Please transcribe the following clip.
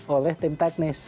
oleh tim teknis